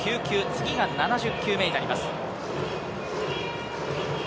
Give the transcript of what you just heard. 次が７０球目になります。